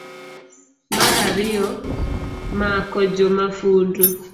mar ariyo, mako jomafundu